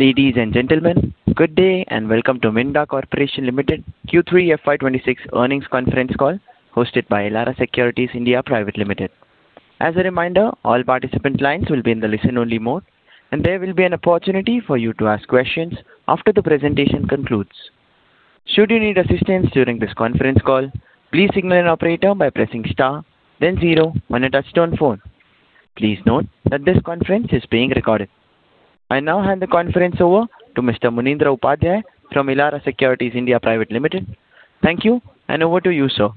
Ladies and gentlemen, good day, and welcome to Minda Corporation Limited Q3 FY 2026 earnings conference call, hosted by Elara Securities India Private Limited. As a reminder, all participant lines will be in the listen-only mode, and there will be an opportunity for you to ask questions after the presentation concludes. Should you need assistance during this conference call, please signal an operator by pressing star, then zero on a touchtone phone. Please note that this conference is being recorded. I now hand the conference over to Mr. Munindra Upadhyay from Elara Securities India Private Limited. Thank you, and over to you, sir.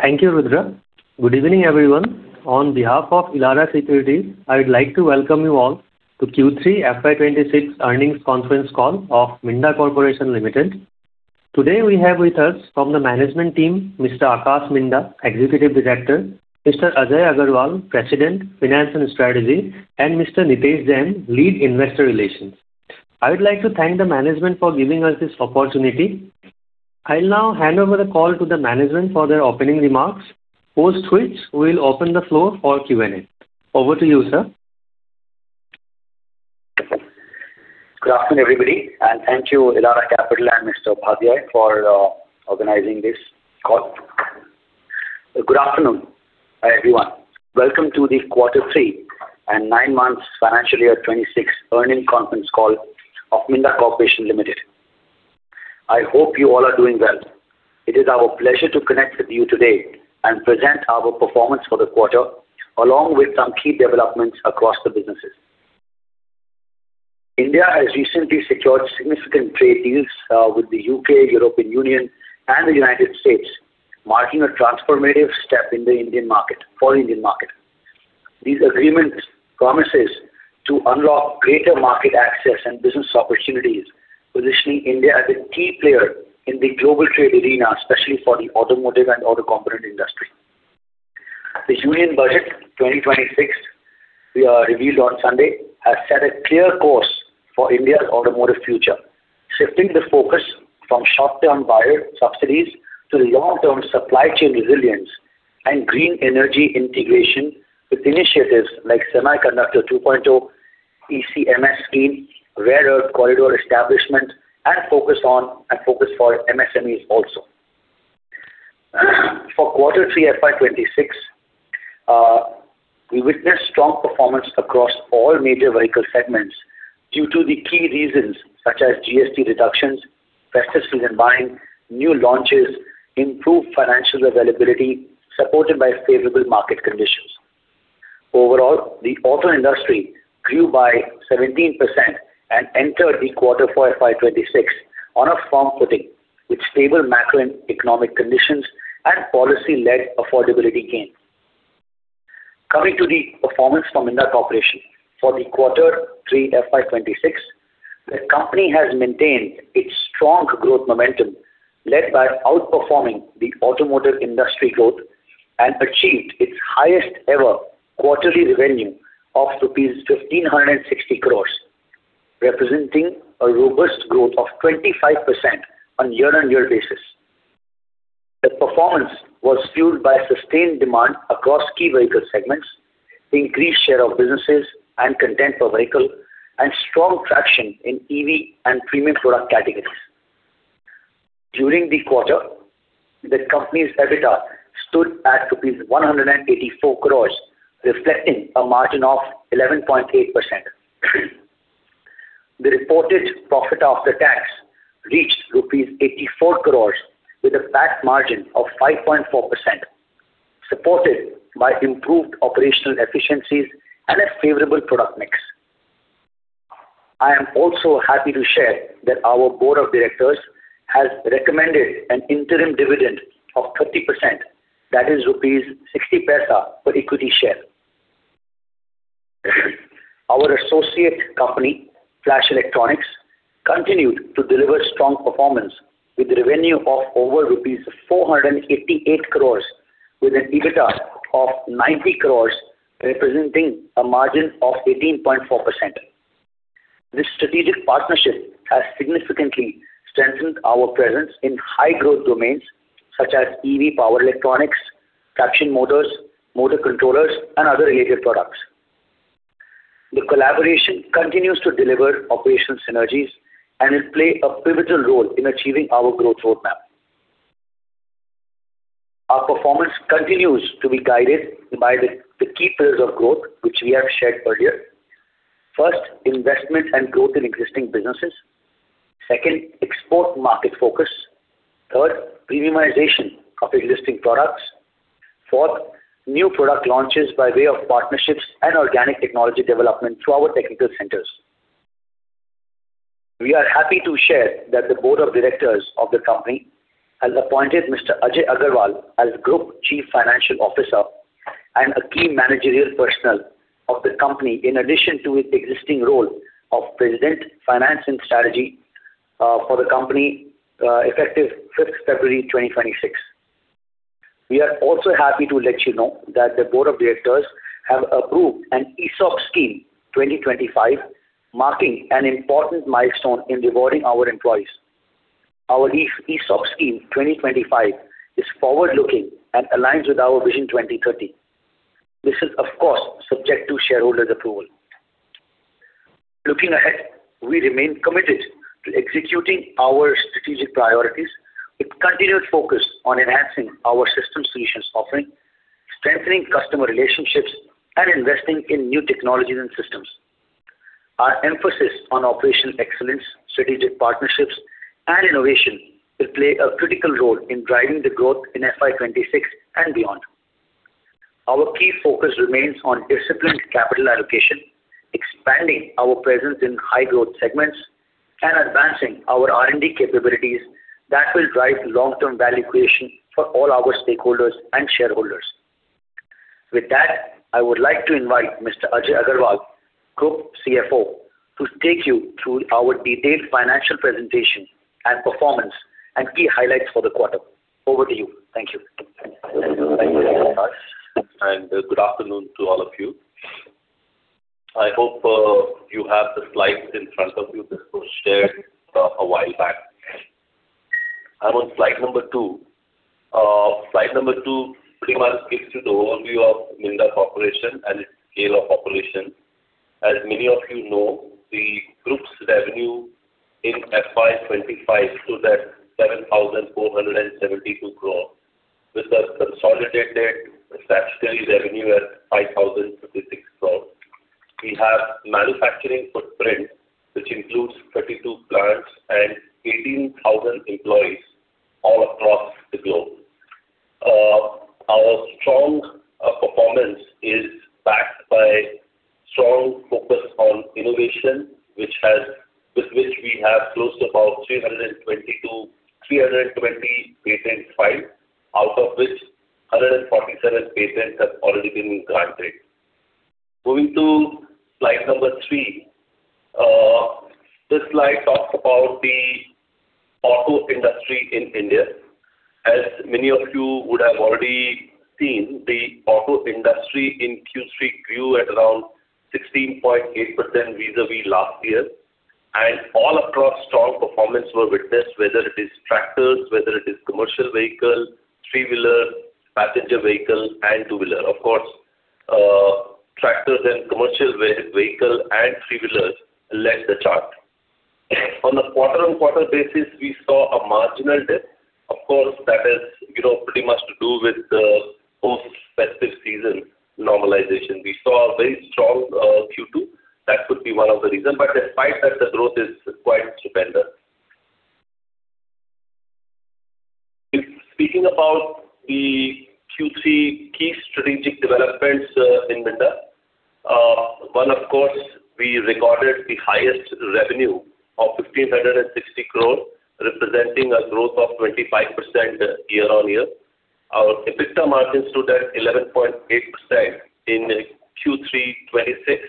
Thank you, Rudra. Good evening, everyone. On behalf of Elara Securities, I would like to welcome you all to Q3 FY 2026 earnings conference call of Minda Corporation Limited. Today, we have with us from the management team, Mr. Akash Minda, Executive Director; Mr. Ajay Agarwal, President, Finance and Strategy; and Mr. Nitesh Jain, Lead Investor Relations. I would like to thank the management for giving us this opportunity. I'll now hand over the call to the management for their opening remarks, post which we'll open the floor for Q&A. Over to you, sir. Good afternoon, everybody, and thank you, Elara Securities and Mr. Upadhyay, for organizing this call. Good afternoon, everyone. Welcome to the Quarter three and nine months Financial Year 2026 earnings conference call of Minda Corporation Limited. I hope you all are doing well. It is our pleasure to connect with you today and present our performance for the quarter, along with some key developments across the businesses. India has recently secured significant trade deals with the UK, European Union, and the United States, marking a transformative step in the Indian market, for Indian market. These agreements promises to unlock greater market access and business opportunities, positioning India as a key player in the global trade arena, especially for the automotive and auto component industry. The Union Budget 2026, revealed on Sunday, has set a clear course for India's automotive future, shifting the focus from short-term buyer subsidies to long-term supply chain resilience and green energy integration, with initiatives like Semiconductor 2.0, EMC scheme, Rare Earth Corridor establishment, and focus on, and focus for MSMEs also. For Quarter three, FY 2026, we witnessed strong performance across all major vehicle segments due to the key reasons such as GST reductions, festive season buying, new launches, improved financial availability, supported by favorable market conditions. Overall, the auto industry grew by 17% and entered the quarter for FY 2026 on a firm footing, with stable macroeconomic conditions and policy-led affordability gain. Coming to the performance from Minda Corporation. For the quarter three, FY 2026, the company has maintained its strong growth momentum, led by outperforming the automotive industry growth, and achieved its highest ever quarterly revenue of rupees 1,560 crores, representing a robust growth of 25% on year-on-year basis. The performance was fueled by sustained demand across key vehicle segments, increased share of businesses and content per vehicle, and strong traction in EV and premium product categories. During the quarter, the company's EBITDA stood at rupees 184 crores, reflecting a margin of 11.8%. The reported profit after tax reached rupees 84 crores with a PAT margin of 5.4%, supported by improved operational efficiencies and a favorable product mix. I am also happy to share that our Board of Directors has recommended an interim dividend of 30%, that is rupees 0.60 per equity share. Our associate company, Flash Electronics, continued to deliver strong performance, with revenue of over rupees 488 crore, with an EBITDA of 90 crore, representing a margin of 18.4%. This strategic partnership has significantly strengthened our presence in high-growth domains such as EV power electronics, traction motors, motor controllers, and other related products. The collaboration continues to deliver operational synergies and will play a pivotal role in achieving our growth roadmap. Our performance continues to be guided by the key pillars of growth, which we have shared earlier. First, investment and growth in existing businesses. Second, export market focus. Third, premiumization of existing products. Fourth, new product launches by way of partnerships and organic technology development through our technical centers. We are happy to share that the Board of Directors of the company has appointed Mr. Ajay Agarwal as Group Chief Financial Officer and a key managerial personnel of the company, in addition to his existing role of President, Finance and Strategy, for the company, effective 5th February 2026. We are also happy to let you know that the Board of Directors have approved an ESOP scheme 2025, marking an important milestone in rewarding our employees. Our ESOPs scheme 2025 is forward looking and aligns with our vision 2030. This is, of course, subject to shareholders approval. Looking ahead, we remain committed to executing our strategic priorities with continued focus on enhancing our system solutions offering, strengthening customer relationships, and investing in new technologies and systems. Our emphasis on operational excellence, strategic partnerships, and innovation will play a critical role in driving the growth in FY 2026 and beyond. Our key focus remains on disciplined capital allocation, expanding our presence in high growth segments, and advancing our R&D capabilities that will drive long-term value creation for all our stakeholders and shareholders. With that, I would like to invite Mr. Ajay Agarwal, Group CFO, to take you through our detailed financial presentation and performance and key highlights for the quarter. Over to you. Thank you. Thank you, very much, and good afternoon to all of you. I hope, you have the slides in front of you that were shared a while back. I'm on slide number two. Slide number two pretty much gives you the overview of Minda Corporation and its scale of operation. As many of you know, the group's revenue in FY 2025 stood at 7,472 crore, with a consolidated statutory revenue at 5,066 crore. We have manufacturing footprint, which includes 32 plants and 18,000 employees all across the globe. Our strong performance is backed by strong focus on innovation, with which we have close to about 320-320 patents filed, out of which 147 patents have already been granted. Moving to slide number three. This slide talks about the auto industry in India. As many of you would have already seen, the auto industry in Q3 grew at around 16.8% vis-a-vis last year, and all across, strong performance were witnessed, whether it is tractors, whether it is commercial vehicle, three-wheeler, passenger vehicle, and two-wheeler. Of course, tractors and commercial vehicle and three-wheelers led the chart. On a quarter-on-quarter basis, we saw a marginal dip. Of course, that is, you know, pretty much to do with the post-festive season normalization. We saw a very strong Q2. That could be one of the reason, but despite that, the growth is quite stupendous. Speaking about the Q3 key strategic developments, in Minda, one, of course, we recorded the highest revenue of 1,560 crore, representing a growth of 25% year-on-year. Our EBITDA margins stood at 11.8% in Q3 2026,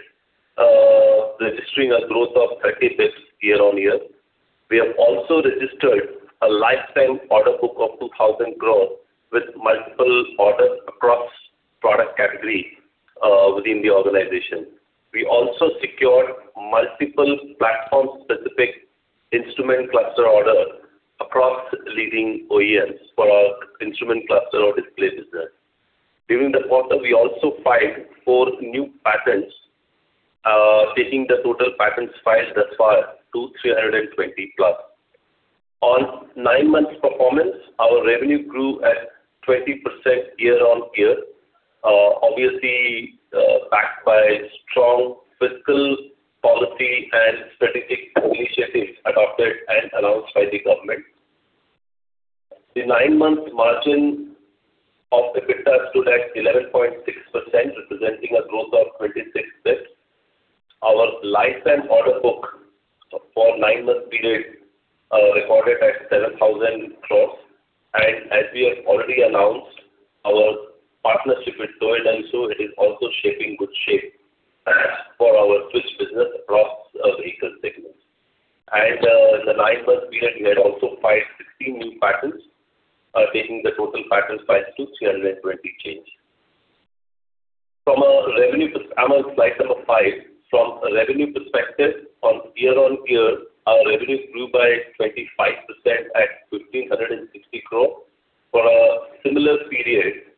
registering a growth of 36% year-on-year. We have also registered a lifetime order book of 2,000 crore with multiple orders across product category within the organization. We also secured multiple platform-specific instrument cluster orders across leading OEMs for our instrument cluster or display business. During the quarter, we also filed four new patents, taking the total patents filed thus far to 320+. On nine-month performance, our revenue grew at 20% year-on-year, obviously, backed by strong fiscal policy and strategic initiatives adopted and announced by the government. The nine-month margin of EBITDA stood at 11.6%, representing a growth of 26%. Our lifetime order book for nine-month period recorded at 7,000 crore. And as we have already announced, our partnership with Toyota Kirloskar Motor is also taking good shape for our switch business across vehicle segments. And in the nine-month period, we had also filed 16 new patents, taking the total patents filed to 320. From a revenue. I'm on slide number five. From a revenue perspective, on year-on-year, our revenue grew by 25% at 1,560 crore. For a similar period,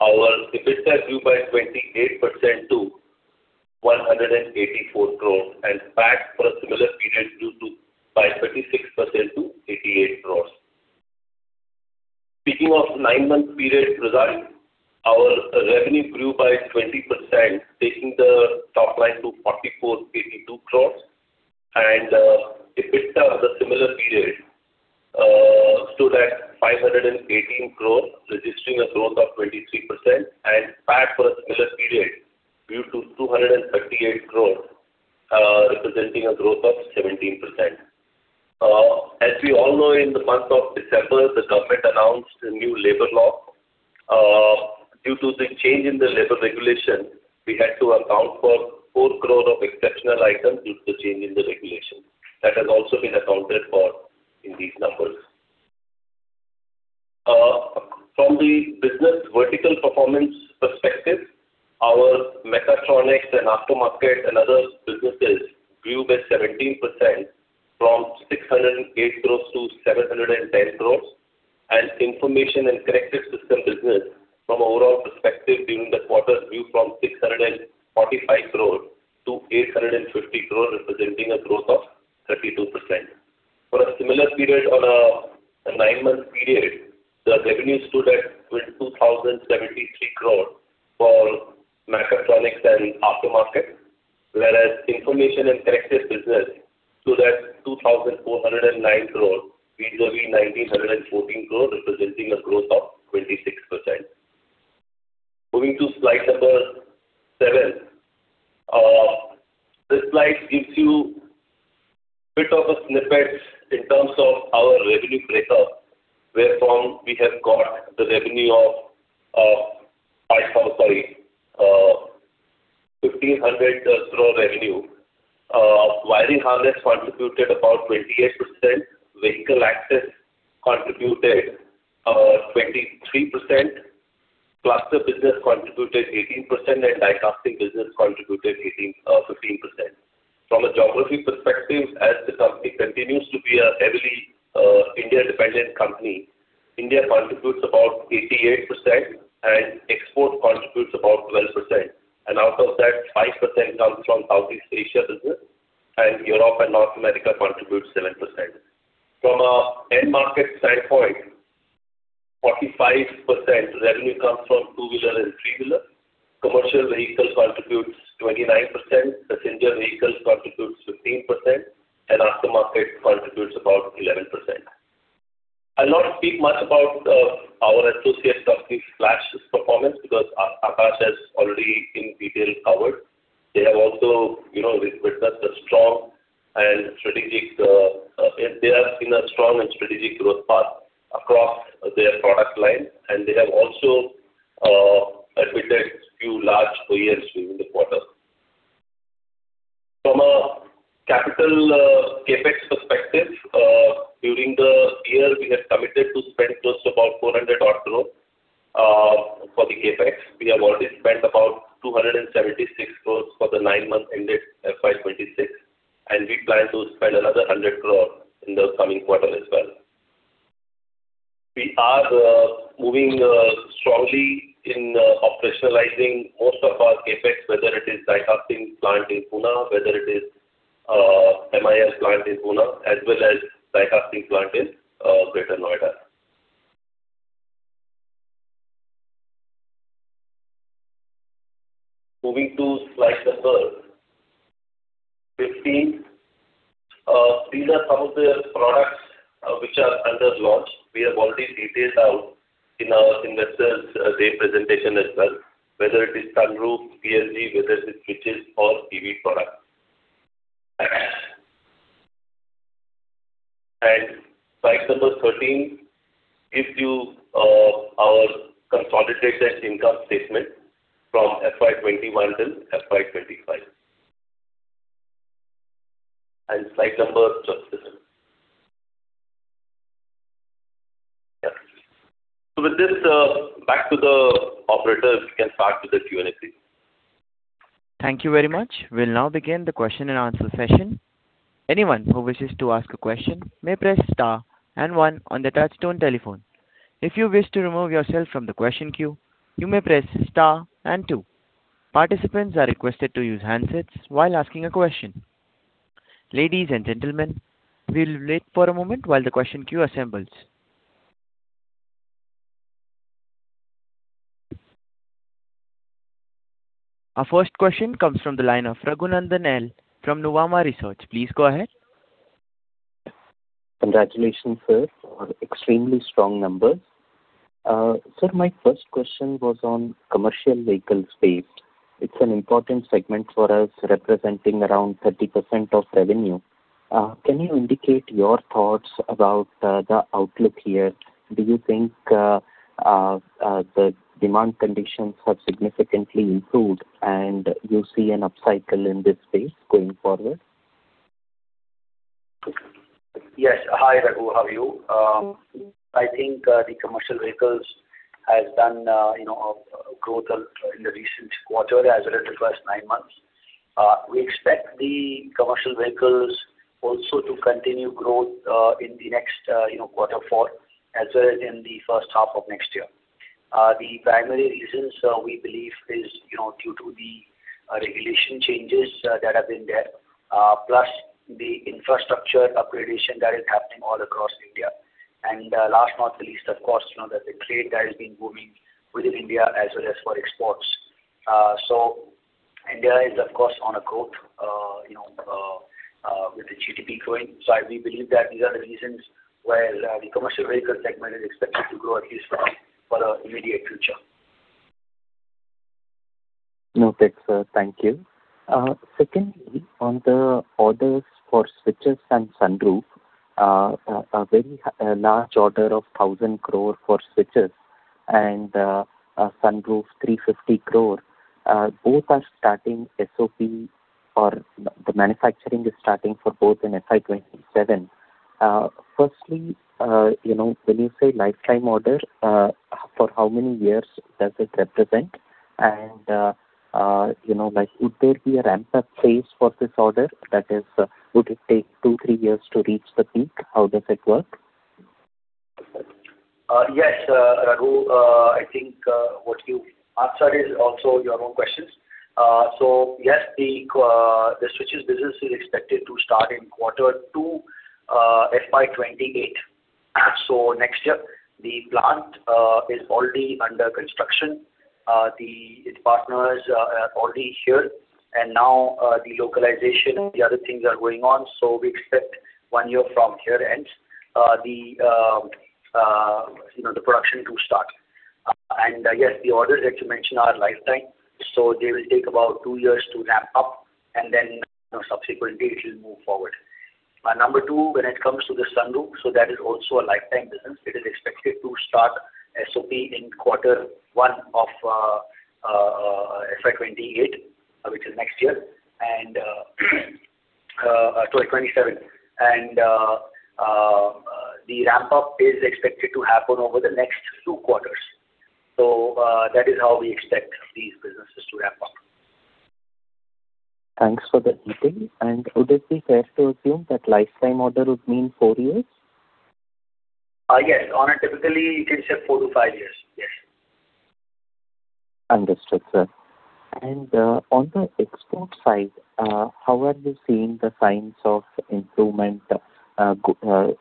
our EBITDA grew by 28% to 184 crore, and PAT for a similar period grew by 36% to 88 crore. Speaking of nine-month period result, our revenue grew by 20%, taking the top line to 4,482 crore. EBITDA for a similar period stood at 518 crore, registering a growth of 23%, and PAT for a similar period grew to 238 crore, representing a growth of 17%. As we all know, in the month of December, the government announced a new labor law. Due to the change in the labor regulation, we had to account for 4 crore of exceptional items due to the change in the regulation. That has also been accounted for in these numbers. From the business vertical performance perspective, our mechatronics and aftermarket and other businesses grew by 17% from 608 crore to 710 crore. Information and connected system business from overall perspective during the quarter grew from 645 crore to 850 crore, representing a growth of 32%. For a similar period on a nine-month period, the revenue stood at 2,073 crore for mechatronics and aftermarket, whereas information and connected business stood at 2,409 crore, vis-a-vis 1,914 crore, representing a growth of 26%. Moving to slide number seven. This slide gives you bit of a snippets in terms of our revenue breakup, wherefrom we have got the revenue of, I'm sorry, INR 1,500 crore revenue. Wiring harness contributed about 28%, vehicle access contributed, 23% cluster business contributed 18%, and die-casting business contributed 18%, 15%. From a geography perspective, as the company continues to be a heavily India-dependent company, India contributes about 88% and export contributes about 12%, and out of that, 5% comes from Southeast Asia business, and Europe and North America contribute 7%. From an end market standpoint, 45% revenue comes from two-wheeler and three-wheeler. Commercial vehicles contributes 29%, passenger vehicles contributes 15%, and aftermarket contributes about 11%. I'll not speak much about our associate company, Flash's performance, because Akash has already in detail covered. They have also, you know, witnessed a strong and strategic growth path across their product line, and they have also acquired a few large OEMs during the quarter. From a capital CapEx perspective, during the year, we have committed to spend close to about 400-odd crore for the CapEx. We have already spent about 276 crore for the nine months ended FY 2026, and we plan to spend another 100 crore in the coming quarter as well. We are moving strongly in operationalizing most of our CapEx, whether it is die-casting plant in Pune, whether it is MSI plant in Pune, as well as die-casting plant in Greater Noida. Moving to slide number 15. These are some of the products which are under launch. We have already detailed out in our investors day presentation as well, whether it is sunroof, PLG, whether it's switches or EV products. And slide number 13 gives you our consolidated income statement from FY 2021 till FY 2025. And slide number 12... Yeah. So with this, back to the operator, we can start with the Q&A, please. Thank you very much. We'll now begin the question and answer session. Anyone who wishes to ask a question may press star and one on the touchtone telephone. If you wish to remove yourself from the question queue, you may press star and two. Participants are requested to use handsets while asking a question. Ladies and gentlemen, we'll wait for a moment while the question queue assembles. Our first question comes from the line of Raghunandan NL from Nuvama Institutional Equities. Please go ahead. Congratulations, sir, for extremely strong numbers. Sir, my first question was on commercial vehicle space. It's an important segment for us, representing around 30% of revenue. Can you indicate your thoughts about the outlook here? Do you think the demand conditions have significantly improved and you see an upcycle in this space going forward? Yes. Hi, Raghu. How are you? I think, the commercial vehicles has done, you know, growth in the recent quarter as well as the first nine months. We expect the commercial vehicles also to continue growth, in the next, you know, quarter four, as well as in the first half of next year. The primary reasons, we believe is, you know, due to the, regulation changes, that have been there, plus the infrastructure upgradation that is happening all across India. And, last not the least, of course, you know, the trade that has been booming within India as well as for exports. So India is, of course, on a growth, you know, with the GDP growing. So we believe that these are the reasons where the commercial vehicle segment is expected to grow at least for the immediate future. Noted, sir. Thank you. Secondly, on the orders for switches and sunroof, a very large order of 1,000 crore for switches and sunroof, 350 crore, both are starting SOP or the manufacturing is starting for both in FY 2027. Firstly, you know, when you say lifetime order, for how many years does it represent? And, you know, like would there be a ramp-up phase for this order? That is, would it take two, three years to reach the peak? How does it work? Yes, Raghu, I think what you answered is also your own questions. So yes, the switches business is expected to start in quarter two, FY 2028, so next year. The plant is already under construction. Its partners are already here, and now the localization, the other things are going on. So we expect one year from here, and you know, the production to start. Yes, the orders that you mentioned are lifetime, so they will take about two years to ramp up, and then subsequently it will move forward. Number two, when it comes to the sunroof, so that is also a lifetime business. It is expected to start SOP in quarter one of FY 2028, which is next year, and 2027. The ramp-up is expected to happen over the next two quarters. So, that is how we expect these businesses to ramp up. Thanks for the detail. Would it be fair to assume that lifetime order would mean four years? Yes. On a typically, you can say four to five years. Yes. Understood, sir. And, on the export side, how are you seeing the signs of improvement?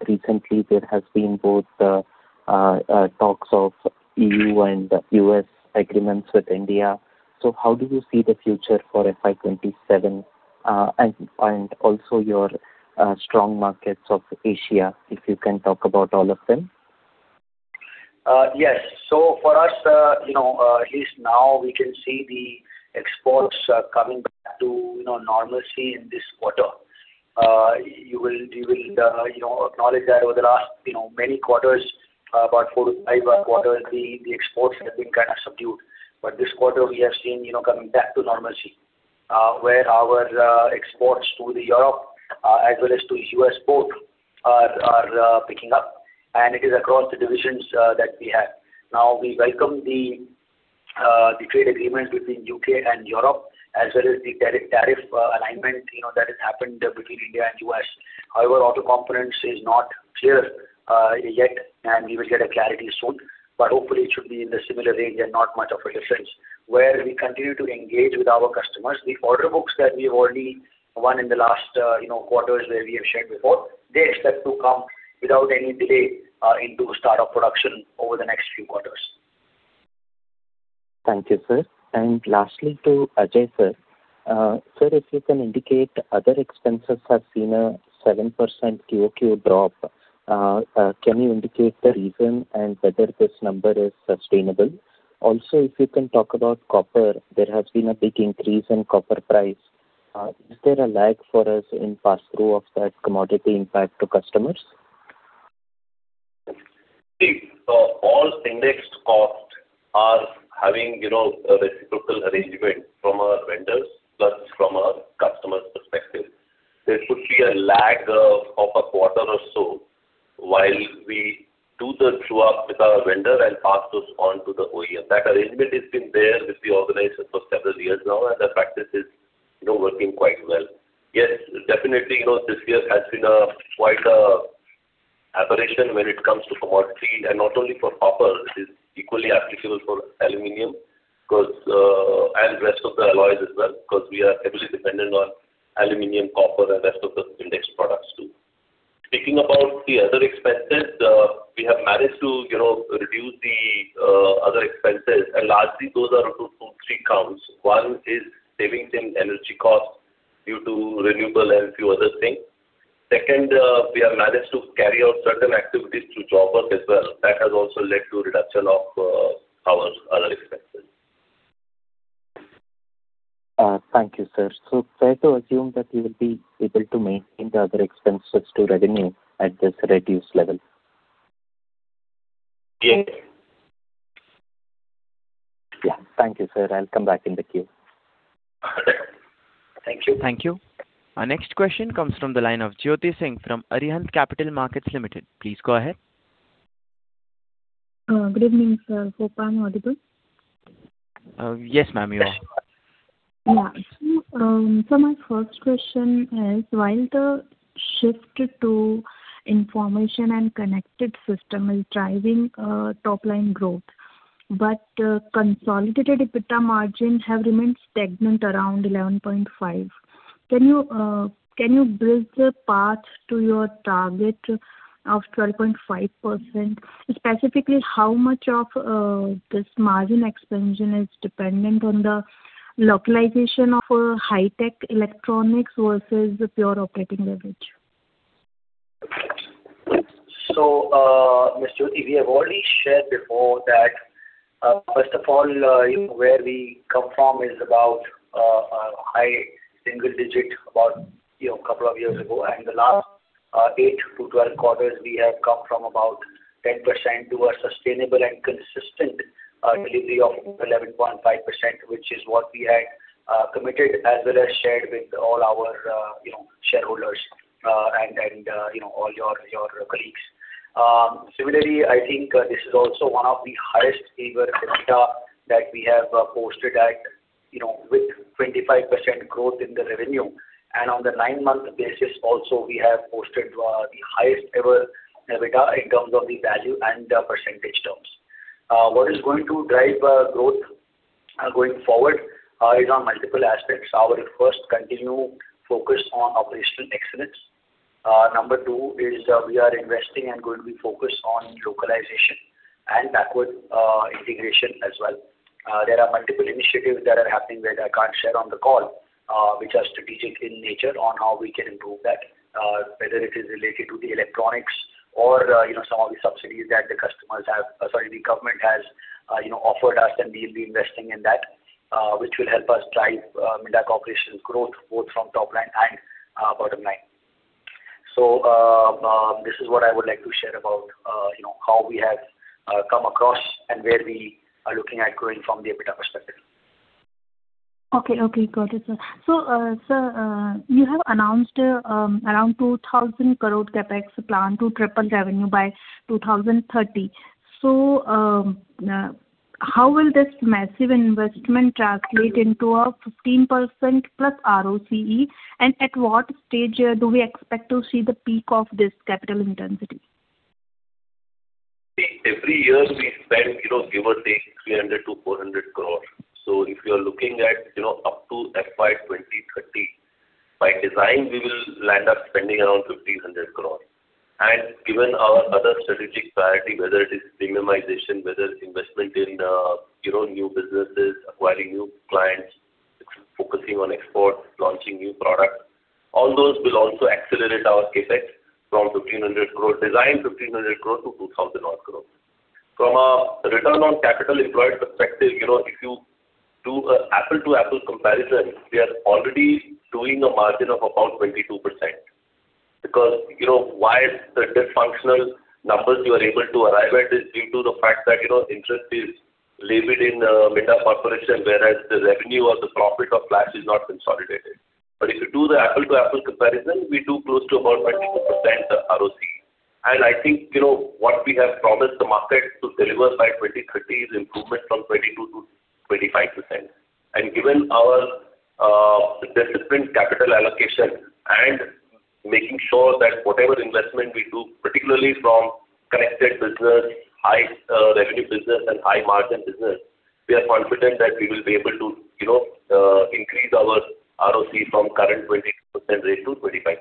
Recently, there has been both talks of E.U. and U.S. agreements with India. So how do you see the future for FY 2027, and also your strong markets of Asia, if you can talk about all of them? Yes. So for us, you know, at least now we can see the exports coming back to, you know, normalcy in this quarter. You will, you know, acknowledge that over the last, you know, many quarters, about four, five quarters, the exports have been kind of subdued. But this quarter, we have seen, you know, coming back to normalcy, where our exports to Europe, as well as to the U.S., are picking up, and it is across the divisions that we have. Now, we welcome the trade agreement between the U.K. and Europe, as well as the tariff alignment, you know, that has happened between India and the U.S. However, auto components is not clear, yet, and we will get a clarity soon, but hopefully it should be in the similar range and not much of a difference, where we continue to engage with our customers. The order books that we have already won in the last, you know, quarters, where we have shared before, they expect to come without any delay, into start of production over the next few quarters. Thank you, sir. And lastly, to Ajay, sir. Sir, if you can indicate, other expenses have seen a 7% QoQ drop. Can you indicate the reason and whether this number is sustainable? Also, if you can talk about copper, there has been a big increase in copper price. Is there a lag for us in pass-through of that commodity impact to customers? See, all indexed costs are having, you know, a reciprocal arrangement from our vendors, plus from our customers' perspective. There should be a lag of a quarter or so, while we do the true-up with our vendor and pass those on to the OEM. That arrangement has been there with the OEMs for several years now, and that practice is, you know, working quite well. Yes, definitely, you know, this year has been a quite an aberration when it comes to commodities, and not only for copper, it is equally applicable for aluminum, because, and rest of the alloys as well, because we are heavily dependent on aluminum, copper, and rest of the indexed products, too. Speaking about the other expenses, we have managed to, you know, reduce the other expenses, and largely those are due to three counts. One is saving some energy costs due to renewable and a few other things. Second, we have managed to carry out certain activities through job work as well. That has also led to reduction of our other expenses. Thank you, sir. Fair to assume that you will be able to maintain the other expenses to revenue at this reduced level? Yes. Yeah. Thank you, sir. I'll come back in the queue. Thank you. Thank you. Our next question comes from the line of Jyoti Singh from Arihant Capital Markets Limited. Please go ahead. Good evening, sir. Hope I'm audible? Yes, ma'am, you are. Yeah. So, so my first question is, while the shift to information and connected system is driving, top line growth, but, consolidated EBITDA margins have remained stagnant around 11.5%. Can you, can you build a path to your target of 12.5%? Specifically, how much of this margin expansion is dependent on the localization of high-tech electronics versus the pure operating leverage? So, Ms. Jyoti, we have already shared before that, first of all, you know, where we come from is about a high single digit, about, you know, couple of years ago. And the last eight to 12 quarters, we have come from about 10% to a sustainable and consistent delivery of 11.5%, which is what we had committed, as well as shared with all our, you know, shareholders, and, you know, all your colleagues. Similarly, I think, this is also one of the highest ever EBITDA that we have posted at, you know, with 25% growth in the revenue. And on the nine-month basis also, we have posted the highest ever EBITDA in terms of the value and the percentage terms. What is going to drive growth going forward is on multiple aspects. Our first, continue focus on operational excellence. Number two is, we are investing and going to be focused on localization and backward integration as well. There are multiple initiatives that are happening that I can't share on the call, which are strategic in nature, on how we can improve that, whether it is related to the electronics or, you know, some of the subsidies that the customers have, sorry, the government has, you know, offered us, and we'll be investing in that, which will help us drive Minda Corporation growth, both from top line and bottom line. So, this is what I would like to share about, you know, how we have come across and where we are looking at growing from the EBITDA perspective. Okay, okay, got it, sir. So, sir, you have announced around 2,000 crore CapEx plan to triple revenue by 2030. So, how will this massive investment translate into a 15%+ ROCE? And at what stage do we expect to see the peak of this capital intensity? Every year we spend, you know, give or take, 300-400 crores. So if you are looking at, you know, up to FY 2030, by design, we will land up spending around 1,500 crores. And given our other strategic priority, whether it is premiumization, whether it's investment in, you know, new businesses, acquiring new clients, focusing on export, launching new products, all those will also accelerate our CapEx from 1,500 crores, design 1,500 crores to 2,000-odd crores. From a return on capital employed perspective, you know, if you do a apple-to-apple comparison, we are already doing a margin of about 22%. Because, you know, while the dysfunctional numbers you are able to arrive at is due to the fact that, you know, interest is labored in, Minda Corporation, whereas the revenue or the profit of Flash is not consolidated. But if you do the apple-to-apple comparison, we do close to about 22% ROCE. And I think, you know, what we have promised the market to deliver by 2030 is improvement from 22% to 25%. And given our disciplined capital allocation and making sure that whatever investment we do, particularly from connected business, high revenue business and high-margin business, we are confident that we will be able to, you know, increase our ROCE from current 20% rate to 25%.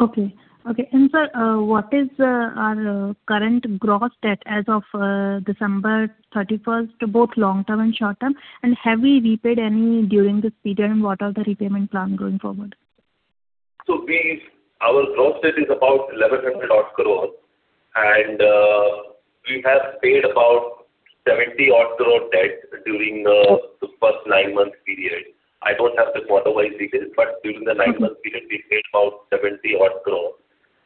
Okay. Okay. And, sir, what is our current gross debt as of December 31st, both long term and short term? And have we repaid any during this period, and what are the repayment plan going forward? So our gross debt is about 1,100 crore, and we have paid about 70 crore debt during the first nine-month period. I don't have the quarter-wise figures, but during the nine-month period, we paid about 70 crore.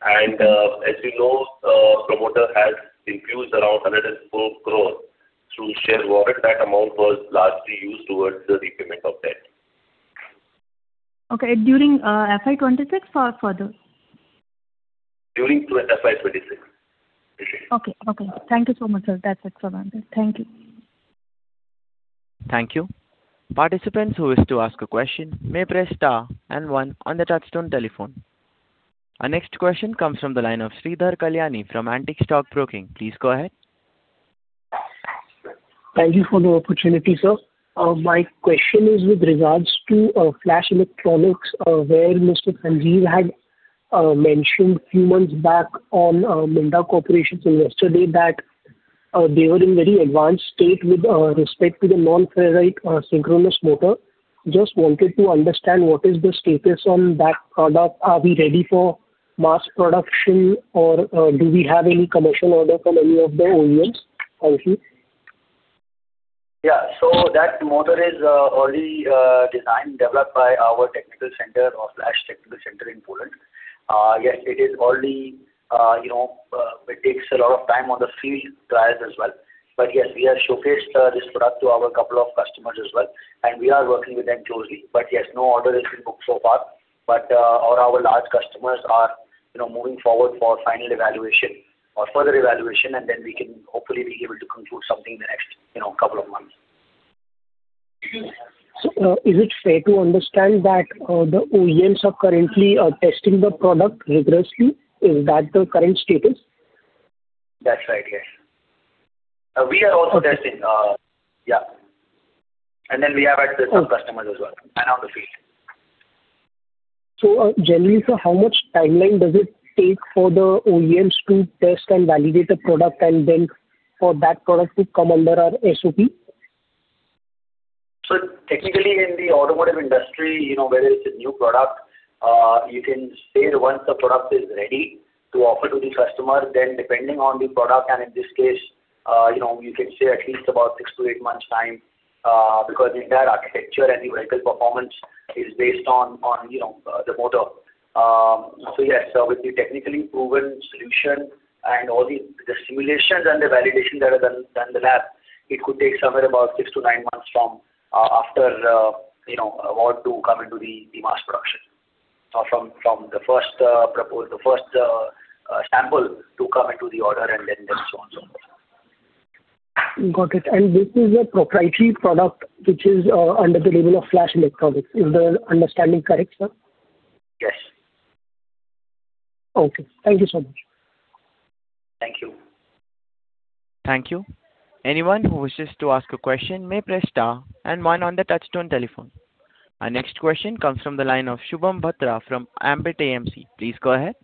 And, as you know, promoter has infused around 104 crore through share warrant. That amount was largely used towards the repayment of debt. Okay. During FY 2026 or further? During FY 2026. Okay. Okay. Thank you so much, sir. That's it for now. Thank you. Thank you. Participants who wish to ask a question may press Star and One on the touchtone telephone. Our next question comes from the line of Sridhar Kalyani from Antique Stock Broking. Please go ahead. Thank you for the opportunity, sir. My question is with regards to Flash Electronics, where Mr. Sanjeev Vasdev had mentioned a few months back on Minda Corporation, so your story back, that they were in very advanced state with respect to the non-rare earth synchronous motor. Just wanted to understand, what is the status on that product? Are we ready for mass production, or do we have any commercial order from any of the OEMs also? Yeah. So that motor is already designed, developed by our technical center or Flash technical center in Poland. Yes, it is already, you know, it takes a lot of time on the field trials as well. But yes, we have showcased this product to our couple of customers as well, and we are working with them closely. But yes, no order has been booked so far. But all our large customers are, you know, moving forward for final evaluation or further evaluation, and then we can hopefully be able to conclude something in the next, you know, couple of months. So, is it fair to understand that the OEMs are currently testing the product rigorously? Is that the current status? That's right, yes. We are also testing. Yeah. And then we have at some customers as well, and on the field. Generally, sir, how much timeline does it take for the OEMs to test and validate the product, and then for that product to come under our SOP? So technically, in the automotive industry, you know, where it's a new product, you can say once the product is ready to offer to the customer, then depending on the product, and in this case, you know, you can say at least about eight, nine months' time, because the entire architecture and the vehicle performance is based on, you know, the motor. So yes, with the technically proven solution and all the simulations and the validation that are done in the lab, it could take somewhere about six to nine months from, after, you know, award to come into the mass production. From the first sample to come into the order and then so on so forth. Got it. And this is a proprietary product which is, under the label of Flash Electronics. Is my understanding correct, sir? Yes. Okay, thank you so much. Thank you. Thank you. Anyone who wishes to ask a question may press star and one on the touch-tone telephone. Our next question comes from the line of Shubham Batra from Ambit AMC. Please go ahead.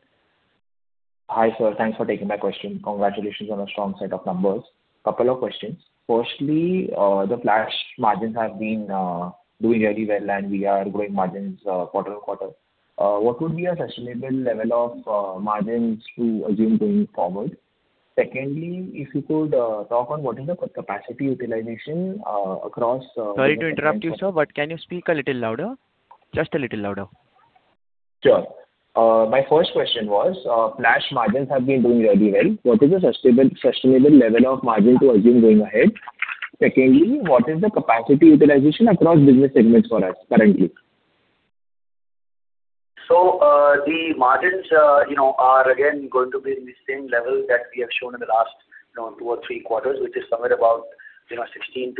Hi, sir. Thanks for taking my question. Congratulations on a strong set of numbers. Couple of questions: firstly, the Flash margins have been doing really well, and we are growing margins quarter-on-quarter. What would be a sustainable level of margins to assume going forward? Secondly, if you could talk on what is the capacity utilization across- Sorry to interrupt you, sir, but can you speak a little louder? Just a little louder. Sure. My first question was, Flash margins have been doing really well. What is the sustainable, sustainable level of margin to assume going ahead? Secondly, what is the capacity utilization across business segments for us currently? So, the margins, you know, are again going to be in the same level that we have shown in the last, you know, two or three quarters, which is somewhere about, you know, 16%-17%.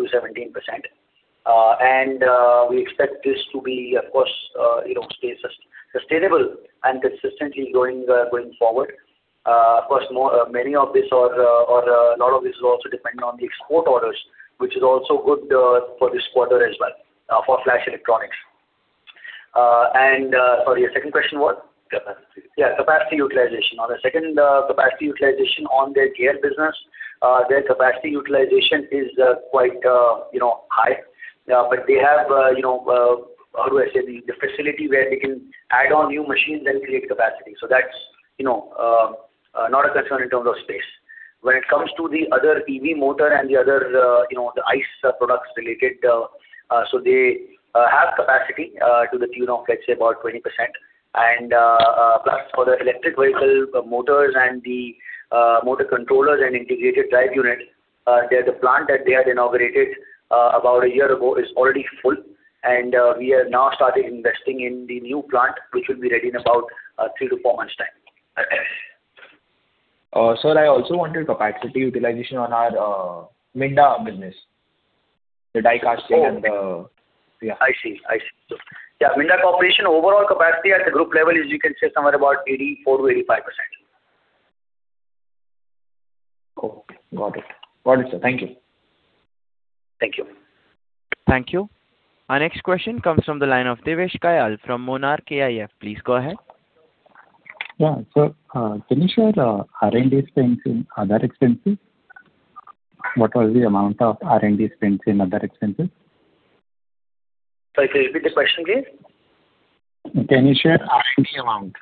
And, we expect this to be, of course, you know, stay sustainable and consistently going forward. Of course, many of this or a lot of this is also dependent on the export orders, which is also good for this quarter as well for Flash Electronics. And, sorry, your second question was what? Capacity. Yeah, capacity utilization. On the second, capacity utilization on the gear business, their capacity utilization is quite, you know, high. But they have, you know, how do I say, the facility where they can add on new machines and create capacity. So that's, you know, not a concern in terms of space. When it comes to the other EV motor and the other, you know, the ICE products related, so they have capacity to the tune of, let's say, about 20%. And plus for the electric vehicle motors and the motor controllers and integrated drive unit, there's a plant that they had inaugurated about a year ago, is already full. We have now started investing in the new plant, which will be ready in about three to four months' time. Sir, I also wanted capacity utilization on our Minda business, the die casting and... Oh, I see. I see. Yeah, Minda Corporation overall capacity at the group level is, you can say, somewhere about 84%-85%. Okay, got it. Got it, sir. Thank you. Thank you. Thank you. Our next question comes from the line of Devesh Kayal from Monarch Networth. Please go ahead. Yeah. Sir, can you share R&D spends in other expenses? What was the amount of R&D spends in other expenses? Sorry, can you repeat the question, please? Can you share R&D amount?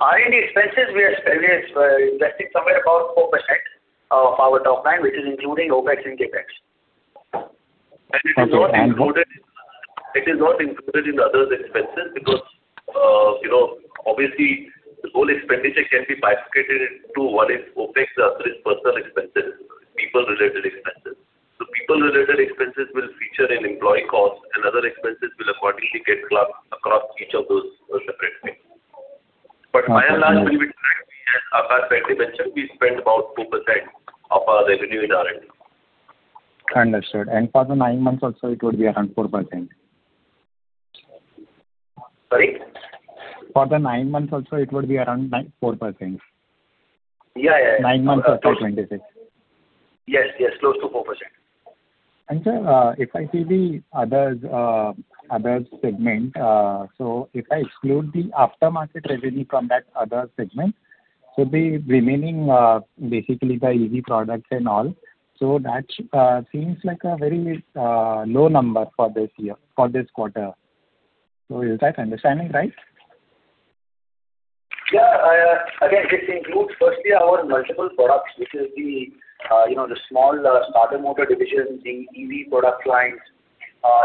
R&D expenses, we are spending, investing somewhere about 4% of our top line, which is including OpEx and CapEx. And so, and- It is not included, it is not included in the other expenses because, you know, obviously, the whole expenditure can be bifurcated into what is OpEx and what is personnel expenses, people-related expenses. So people-related expenses will feature in employee costs, and other expenses will accordingly get clubbed across each of those separate things. But by and large, we will be tracking as Akash rightly mentioned, we spend about 4% of our revenue in R&D. Understood. And for the nine months also, it would be around 4%? Sorry? For the nine months also, it would be around 9.4%. Yeah, yeah, yeah. Nine months of 2026. Yes, yes, close to 4%. Sir, if I see the other segment, so if I exclude the aftermarket revenue from that other segment, so the remaining, basically the EV products and all, so that seems like a very low number for this year, for this quarter. So is that understanding right? Yeah, again, this includes firstly our multiple products, which is the, you know, the small, starter motor division, the EV product lines,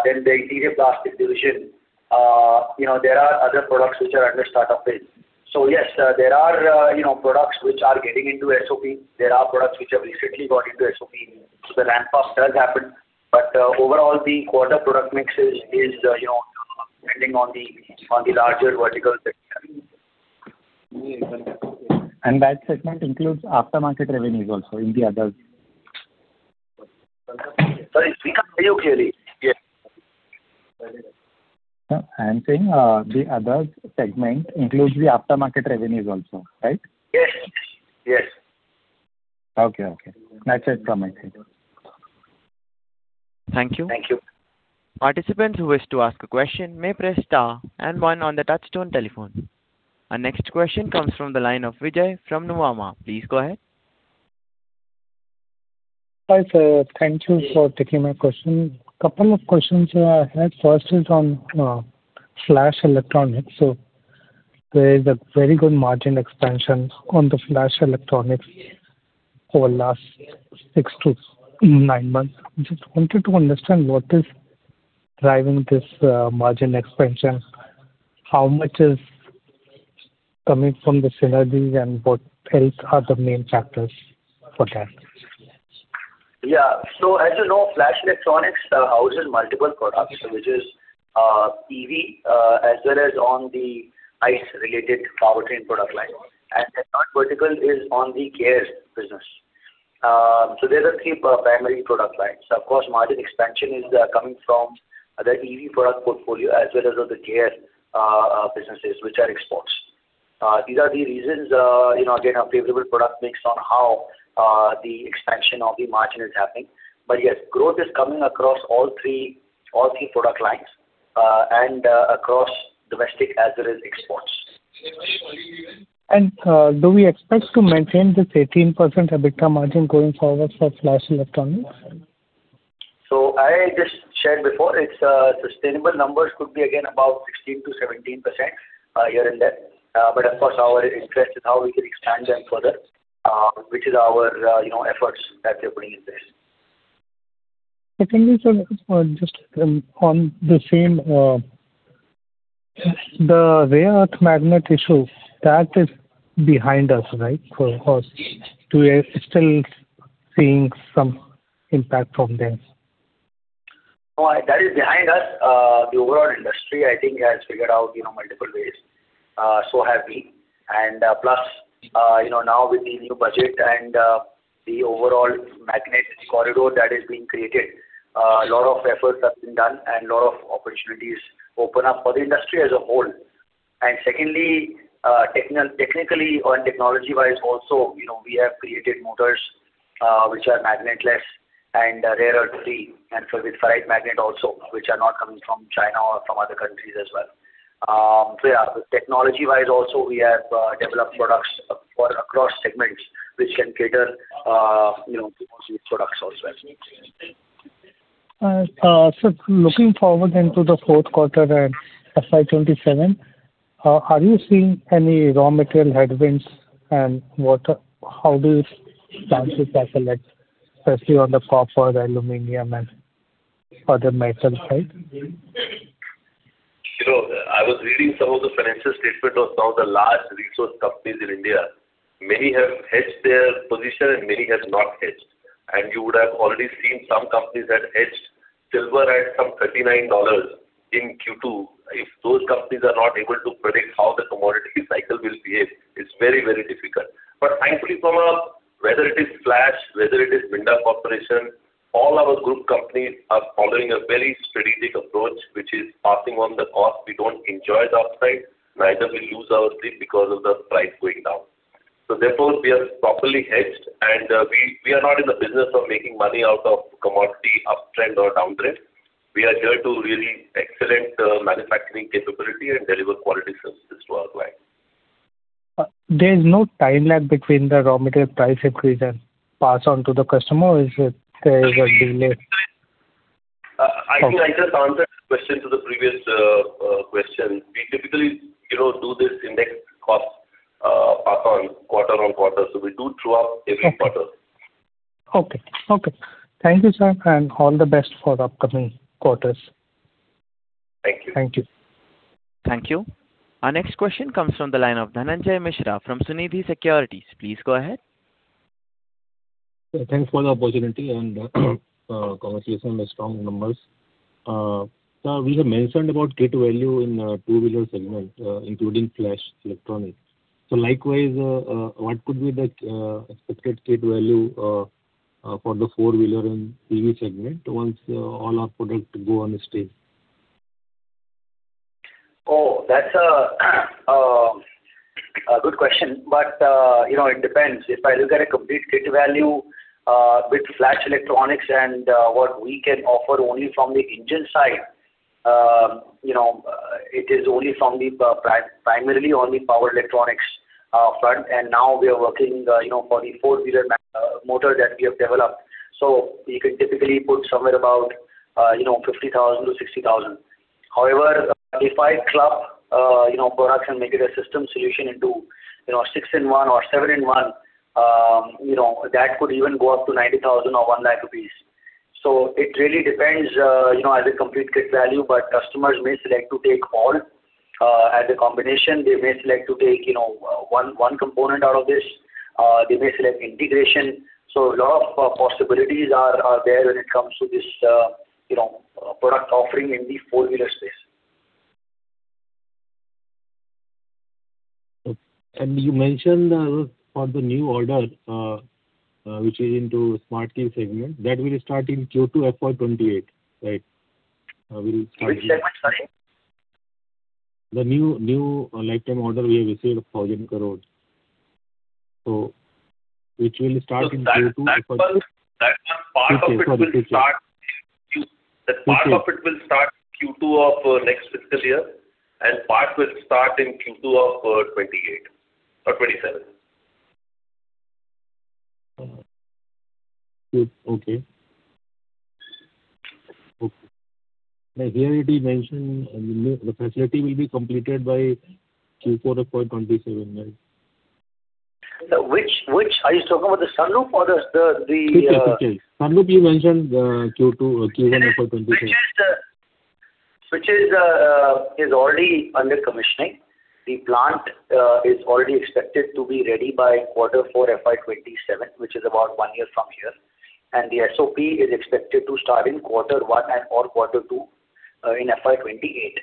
then the interior plastic division. You know, there are other products which are under startup phase. So yes, there are, you know, products which are getting into SOP. There are products which have recently got into SOP, so the ramp-up does happen. But, overall, the quarter product mix is, you know, depending on the, on the larger vertical segment. That segment includes aftermarket revenues also in the others? Sorry, say again very clearly. Yes. No, I'm saying, the others segment includes the aftermarket revenues also, right? Yes. Yes. Okay, okay. That's it from my side. Thank you. Thank you. Participants who wish to ask a question may press star and one on the touchtone telephone. Our next question comes from the line of Vijay from Nuvama. Please go ahead. Hi, sir. Thank you for taking my question. Couple of questions I had. First is on Flash Electronics. There is a very good margin expansion on the Flash Electronics for last six to nine months. I just wanted to understand, what is driving this, margin expansion? How much is coming from the synergies, and what else are the main factors for that? Yeah. So as you know, Flash Electronics houses multiple products, which is EV, as well as on the ICE-related powertrain product line. And the third vertical is on the gear business. So there are three primary product lines. Of course, margin expansion is coming from the EV product portfolio, as well as of the gear businesses, which are exports. These are the reasons, you know, again, a favorable product mix on how the expansion of the margin is happening. But yes, growth is coming across all three product lines, and across domestic as well as exports. Do we expect to maintain this 18% EBITDA margin going forward for Flash Electronics? So I just shared before, it's sustainable numbers could be again about 16%-17%, here and there. But of course, our interest is how we can expand them further, which is our, you know, efforts that we're putting in place. Secondly, sir, just, on the same, the rare earth magnet issue, that is behind us, right? Or we are still seeing some impact from them. No, that is behind us. The overall industry, I think, has figured out, you know, multiple ways, so have we. And, plus, you know, now with the new budget and, the overall magnet corridor that is being created, a lot of efforts have been done and lot of opportunities open up for the industry as a whole. And secondly, technically, on technology-wise also, you know, we have created motors, which are magnet-less and rare earth-free, and with ferrite magnet also, which are not coming from China or from other countries as well. So yeah, technology-wise also, we have developed products for across segments which can cater, you know, to those products also. Looking forward into the fourth quarter and FY 2027, are you seeing any raw material headwinds, and how do you plan to tackle it, especially on the copper, the aluminum, and other metal side? You know, I was reading some of the financial statement of some of the large resource companies in India. Many have hedged their position and many have not hedged. And you would have already seen some companies that hedged silver at some $39 in Q2. If those companies are not able to predict how the commodity cycle will behave, it's very, very difficult. But thankfully for us, whether it is Flash, whether it is Minda Corporation, all our group companies are following a very strategic approach, which is passing on the cost. We don't enjoy the upside, neither we lose our sleep because of the price going down. So therefore, we are properly hedged, and we are not in the business of making money out of commodity uptrend or downtrend. We are here to really excellent manufacturing capability and deliver quality services to our clients. There is no time lag between the raw material price increase and pass on to the customer, or is it there is a delay? I think I just answered question to the previous question. We typically, you know, do this index cost pass on quarter on quarter, so we do throughout every quarter. Okay. Okay. Thank you, sir, and all the best for the upcoming quarters. Thank you. Thank you. Thank you. Our next question comes from the line of Dhananjay Mishra from Sunidhi Securities. Please go ahead. Thanks for the opportunity and congratulations on the strong numbers. Sir, we have mentioned about kit value in two-wheeler segment, including Flash Electronics. So likewise, what could be the expected kit value for the four-wheeler and EV segment once all our products go on the stage? Oh, that's a good question, but, you know, it depends. If I look at a complete kit value with Flash Electronics and what we can offer only from the engine side, you know, it is only from the primarily on the power electronics front, and now we are working, you know, for the four-wheeler motor that we have developed. So we can typically put somewhere about, you know, 50,000-60,000. However, if I club, you know, products and make it a system solution into, you know, six in one or seven in one, you know, that could even go up to 90,000 or 100,000 rupees. So it really depends, you know, as a complete kit value, but customers may select to take all as a combination. They may select to take, you know, one component out of this. They may select integration. So a lot of possibilities are there when it comes to this, you know, product offering in the four-wheeler space. You mentioned for the new order, which is into smart key segment, that will start in Q2, FY 2028, right? Which segment, sorry? The new lifetime order we have received INR 1,000 crore. So which will start in Q2- That one, part of it will start- Q2. That part of it will start Q2 of next fiscal year, and part will start in Q2 of 2028, 2027. Good. Okay. Okay, like, here it is mentioned, the facility will be completed by Q4 of FY 2027, right? Which are you talking about, the sunroof or the... Sunroof, you mentioned Q2 or Q1 of FY 2022. Which is already under commissioning. The plant is already expected to be ready by quarter four, FY 2027, which is about one year from here. And the SOP is expected to start in quarter one and or quarter two in FY 2028.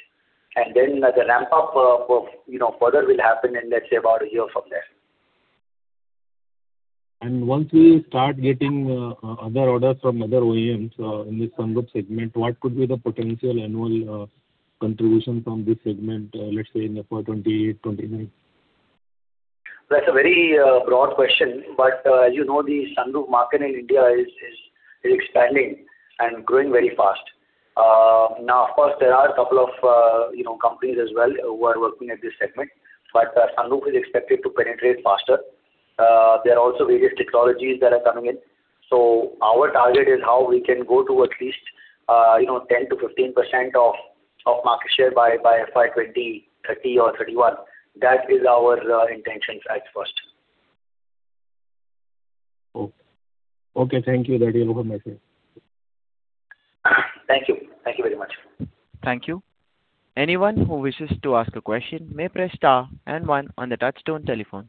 And then, the ramp-up of, you know, further will happen in, let's say, about a year from there. Once we start getting other orders from other OEMs in the sunroof segment, what could be the potential annual contribution from this segment, let's say in FY 2028, 2029? That's a very broad question, but as you know, the sunroof market in India is expanding and growing very fast. Now, of course, there are a couple of you know, companies as well who are working at this segment, but the sunroof is expected to penetrate faster. There are also various technologies that are coming in. So our target is how we can go to at least you know, 10%-15% of market share by FY 2030 or 2031. That is our intention right first. Okay. Okay, thank you. That is a good message. Thank you. Thank you very much. Thank you. Anyone who wishes to ask a question may press star and one on the touchtone telephone.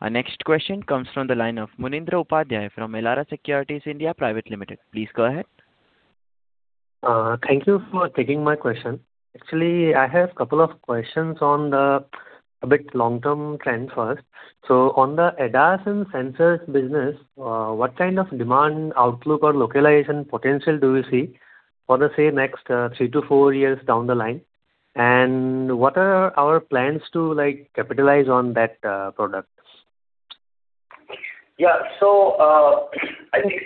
Our next question comes from the line of Munindra Upadhyay from Elara Securities India Private Limited. Please go ahead. Thank you for taking my question. Actually, I have a couple of questions on a bit long-term trend first. So on the ADAS and sensors business, what kind of demand, outlook or localization potential do you see for the say, next three to four years down the line? And what are our plans to, like, capitalize on that, product? Yeah. So, I think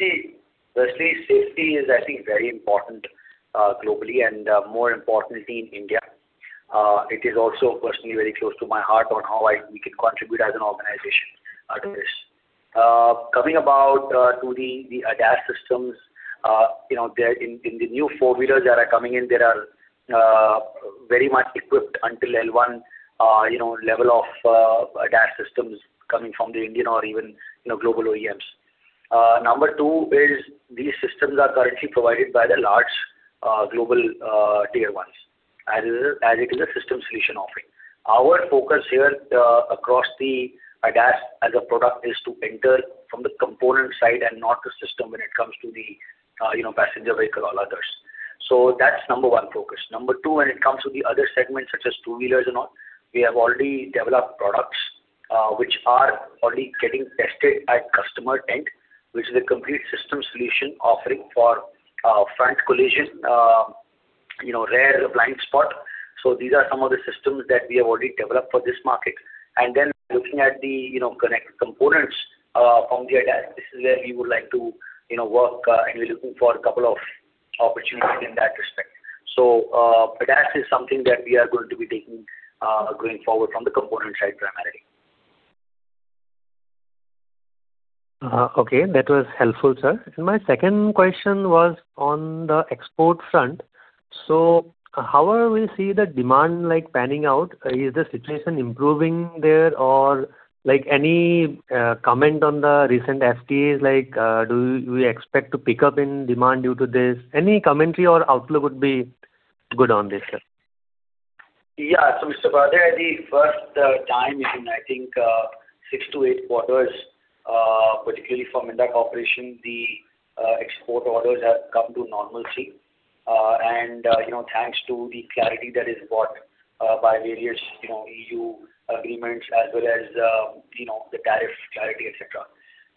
the safety is, I think, very important globally and, more importantly, in India. It is also personally very close to my heart on how I, we can contribute as an organization to this. Coming to the ADAS systems, you know, there in the new four-wheelers that are coming in, there are very much equipped until L1, you know, level of ADAS systems coming from the Indian or even, you know, global OEMs. Number two is, these systems are currently provided by the large global Tier 1s, as it is a system solution offering. Our focus here across the ADAS as a product is to enter from the component side and not the system when it comes to the, you know, passenger vehicle or others. So that's number one focus. Number two, when it comes to the other segments, such as two-wheelers and all, we have already developed products, which are already getting tested at customer end, which is a complete system solution offering for front collision, you know, rear blind spot. So these are some of the systems that we have already developed for this market. And then looking at the you know connected components from the ADAS, this is where we would like to you know work and we're looking for a couple of opportunities in that respect. So ADAS is something that we are going to be taking going forward from the component side primarily. Okay, that was helpful, sir. My second question was on the export front. So how are we see the demand, like, panning out? Is the situation improving there, or, like, any, comment on the recent FTAs? Like, do you, we expect to pick up in demand due to this? Any commentary or outlook would be good on this, sir. Yeah. So, Mr. Upadhyay, the first time in, I think, six to eight quarters, particularly from Minda Corporation, the export orders have come to normalcy. And, you know, thanks to the clarity that is brought by various, you know, EU agreements, as well as, you know, the tariff clarity, et cetera.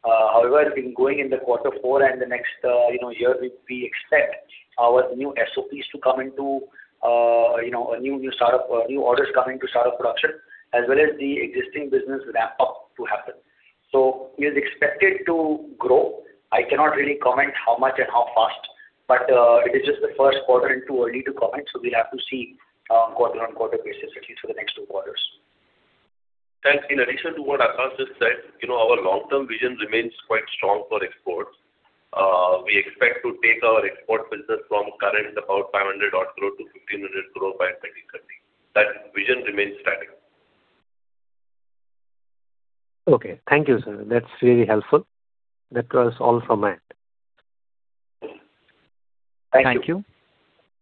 However, in going into quarter four and the next, you know, year, we expect our new SOPs to come into a new, new startup, new orders coming to start up production, as well as the existing business ramp up to happen. So it is expected to grow. I cannot really comment how much and how fast, but it is just the first quarter and too early to comment, so we'll have to see on quarter-on-quarter basis, at least for the next two quarters. Thanks. In addition to what Akash just said, you know, our long-term vision remains quite strong for exports. We expect to take our export business from current about 500 crore to 1,500 crore by 2030. That vision remains static. Okay. Thank you, sir. That's really helpful. That was all from me. Thank you. Thank you.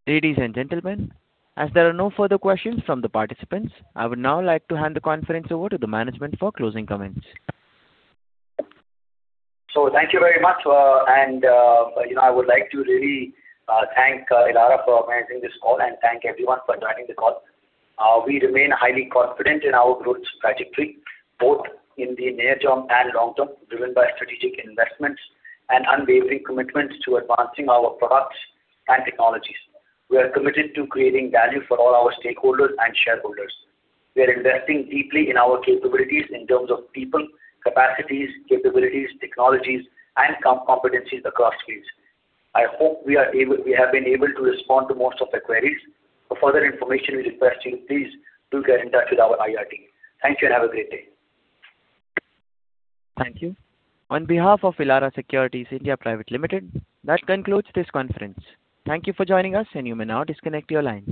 Ladies and gentlemen, as there are no further questions from the participants, I would now like to hand the conference over to the management for closing comments. So thank you very much, and, you know, I would like to really, thank Elara for organizing this call, and thank everyone for joining the call. We remain highly confident in our growth trajectory, both in the near term and long term, driven by strategic investments and unwavering commitment to advancing our products and technologies. We are committed to creating value for all our stakeholders and shareholders. We are investing deeply in our capabilities in terms of people, capacities, capabilities, technologies, and competencies across fields. I hope we have been able to respond to most of the queries. For further information, we request you, please do get in touch with our IR team. Thank you, and have a great day. Thank you. On behalf of Elara Securities India Private Limited, that concludes this conference. Thank you for joining us, and you may now disconnect your lines.